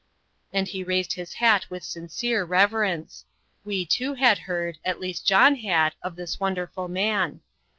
And he raised his hat with sincere reverence. We too had heard at least John had of this wonderful man.